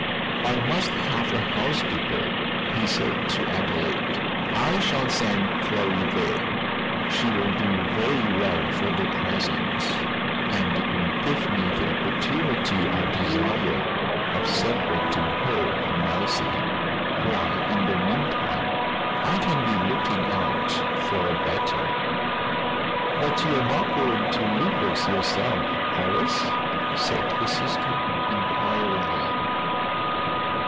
"I must have a housekeeper," he said to Adelaide. "I shall send Chloe there. She will do very well for the present, and it will give me the opportunity I desire of separating her from Elsie, while in the meantime I can be looking out for a better." "But you are not going to leave us yourself, Horace?" said his sister inquiringly.